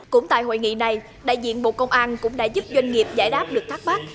cũng tại hội nghị này đại diện bộ công an cũng đã giúp doanh nghiệp giải đáp lực thác bác